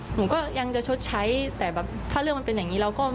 หนูก็ยังจะชดใช้แต่แบบถ้าเรื่องมันเป็นแบบนี้แล้ว